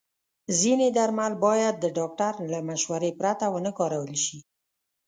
ځینې درمل باید د ډاکټر له مشورې پرته ونه کارول شي.